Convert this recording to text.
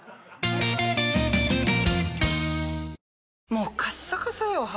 もうカッサカサよ肌。